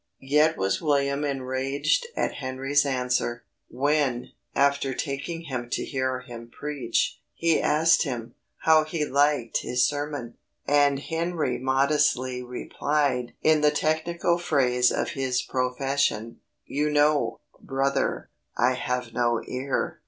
Yet was William enraged at Henry's answer, when, after taking him to hear him preach, he asked him, "how he liked his sermon," and Henry modestly replied (in the technical phrase of his profession), "You know, brother, I have no ear."